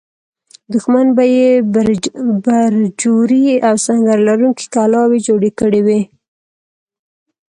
دښمن به یې برجورې او سنګر لرونکې کلاوې جوړې کړې وي.